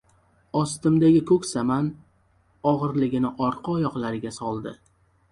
Ostimdagi ko‘k saman og‘irligini orqa oyoqlariga soldi.